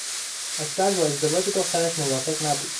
اکبر با ازدواج دخترش موافق نبود.